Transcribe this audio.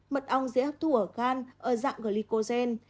mật ong dễ hấp thu ở gan ở dạng glicozen